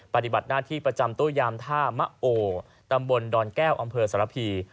ปฏิบัติหน้าที่ประจำตู้ยามท่ามะโอตำบลดอนแก้วอำเภอสรพี